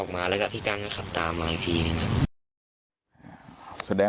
เข้ามากจะไปคุยกัน